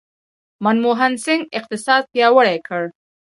منموهن سینګ اقتصاد پیاوړی کړ.